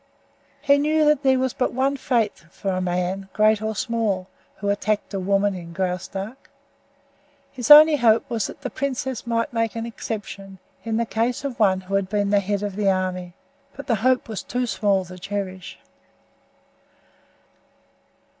He knew that there was but one fate for the man, great or small, who attacked a woman in Graustark. His only hope was that the princess might make an exception in the case of one who had been the head of the army but the hope was too small to cherish.